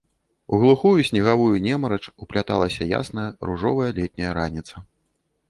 У глухую снегавую немарач упляталася ясная ружовая летняя раніца.